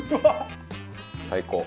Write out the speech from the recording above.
最高。